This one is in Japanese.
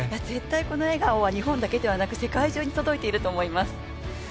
絶対この笑顔は日本だけではなく、世界中に届いていると思います。